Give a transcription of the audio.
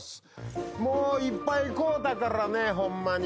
もういっぱい買うたからねホンマに。